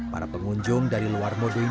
para pengunjung dari luar kecamatan modo inding